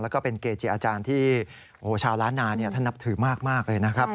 แล้วก็เป็นเกจิอาจารย์ที่ชาวล้านนาท่านนับถือมากเลยนะครับ